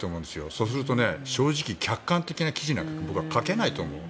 そうすると正直、客観的な記事なんか僕は書けないと思う。